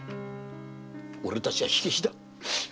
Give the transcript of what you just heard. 俺たちは火消しだ。